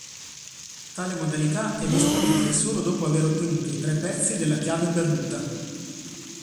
Tale modalità è disponibile solo dopo aver ottenuto i tre pezzi della Chiave Perduta.